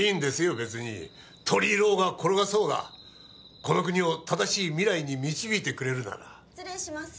別に取り入ろうが転がそうがこの国を正しい未来に導いてくれるなら・失礼します